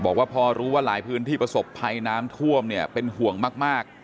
บอกว่าพอรู้ว่าหลายพื้นที่ประสบภัยน้ำท่วมเนี่ยเป็นห่วงมาก